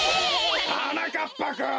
はなかっぱくん！